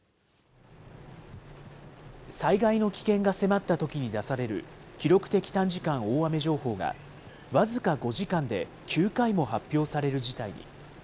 災害の危険が迫ったときに出される、記録的短時間大雨情報が、僅か５時間で９回も発表される事態に。